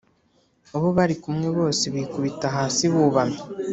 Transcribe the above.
abo bari kumwe bose bikubita hasi bubamye